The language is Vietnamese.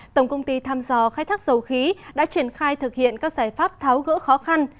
tổng công ty thăm dò khai thác dầu khí đã triển khai thực hiện các giải pháp tháo gỡ khó khăn